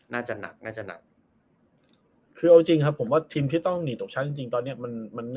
น่าจะหนักน่าจะหนักคือเอาจริงครับผมว่าทีมที่ต้องหนีตกชั้นจริงจริงตอนเนี้ยมันมัน